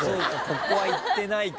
ここは行ってないか。